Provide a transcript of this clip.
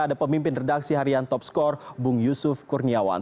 ada pemimpin redaksi harian top score bung yusuf kurniawan